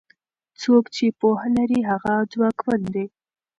څوک چې پوهه لري هغه ځواکمن دی.